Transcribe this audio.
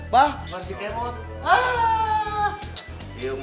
bah masih kemot